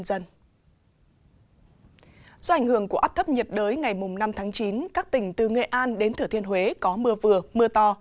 do ảnh hưởng của áp thấp nhiệt đới ngày năm tháng chín các tỉnh từ nghệ an đến thửa thiên huế có mưa vừa mưa to